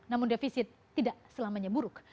namun defisit tidak selamanya buruk